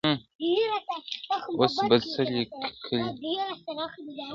اوس به څه ليكې شاعره،